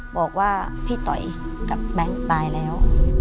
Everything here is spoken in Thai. บอกว่าพี่ต่อยกับแบงค์ตายแล้ว